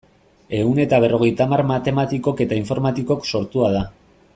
Ehun eta berrogeita hamar matematikok eta informatikok sortua da.